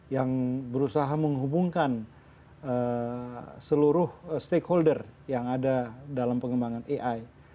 yang berusaha menghubungkan seluruh stakeholder yang ada dalam pengembangan ai